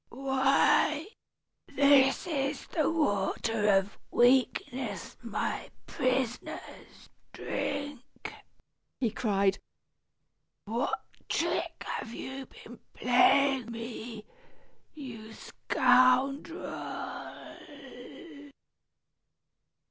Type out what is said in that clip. "Why, this is the water of weakness my prisoners drink," he cried. "What trick have you been playing me, you scoundrel?"